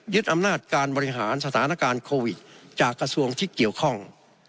อำนาจการบริหารสถานการณ์โควิดจากกระทรวงที่เกี่ยวข้อง